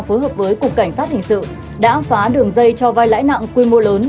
phối hợp với cục cảnh sát hình sự đã phá đường dây cho vai lãi nặng quy mô lớn